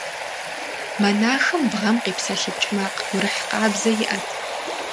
Монахым бгъэм къипсэлъыкӀ макъ гурыхь къабзэ иӀэт.